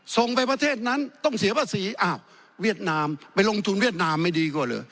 ส่งไปประเทศนั้นต้องเสียภาษีอ้าวเวียดนามไปลงทุนเวียดนามไม่ดีกว่าเหรอ